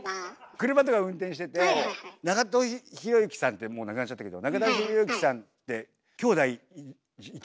車とか運転してて長門裕之さんってもう亡くなっちゃったけど長門裕之さんって兄弟いたじゃないですか。